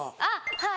はい。